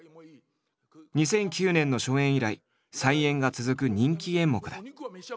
２００９年の初演以来再演が続く人気演目だ。